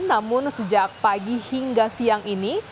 namun sejak pagi hingga siang ini